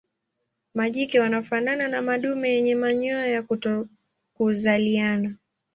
Majike wanafanana na madume yenye manyoya ya kutokuzaliana.